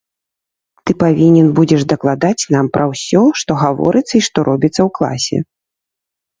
Ты павінен будзеш дакладаць нам пра ўсё, што гаворыцца і што робіцца ў класе.